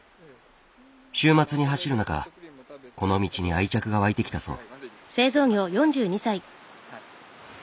週末に走る中この道に愛着が湧いてきたそう。